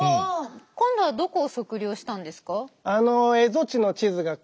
今度はどこを測量したんですか？